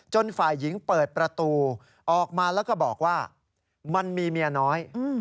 ฝ่ายหญิงเปิดประตูออกมาแล้วก็บอกว่ามันมีเมียน้อย